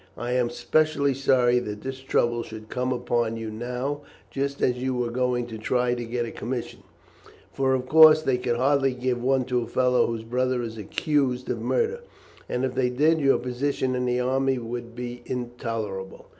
I am specially sorry that this trouble should come upon you now, just as you were going to try to get a commission, for of course they could hardly give one to a fellow whose brother is accused of murder, and if they did, your position in the army would be intolerable.